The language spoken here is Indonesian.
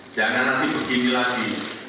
jangan lagi begini lagi